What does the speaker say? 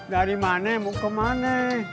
dari mana mau ke mana